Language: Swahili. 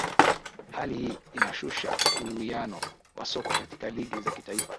Hali hii inashusha uwiano wa soka katika ligi za kitaifa